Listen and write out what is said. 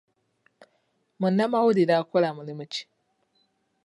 Munnamawulire akola mulimu ki?